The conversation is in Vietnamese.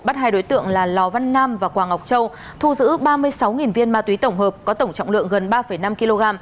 bắt hai đối tượng là lò văn nam và quà ngọc châu thu giữ ba mươi sáu viên ma túy tổng hợp có tổng trọng lượng gần ba năm kg